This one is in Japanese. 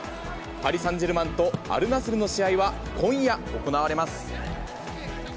パリサンジェルマンとアルナスルの試合は、今夜行われます。